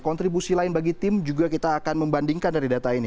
kontribusi lain bagi tim juga kita akan membandingkan dari data ini